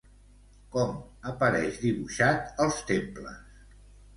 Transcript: Com apareix dibuixat als temples?